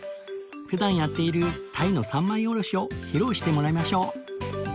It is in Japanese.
普段やっている鯛の三枚おろしを披露してもらいましょう